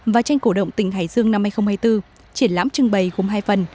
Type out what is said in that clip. và tranh cổ động tỉnh hải dương năm hai nghìn hai mươi bốn triển lãm trưng bày gồm hai phần